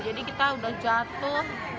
jadi kita udah jatuh